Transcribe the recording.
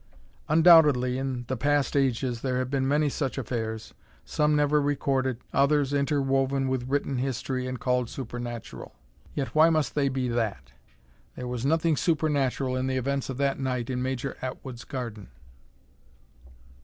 Undoubtedly in the past ages there have been many such affairs: some never recorded, others interwoven in written history and called supernatural. Yet why must they be that? There was nothing supernatural in the events of that night in Major Atwood's garden.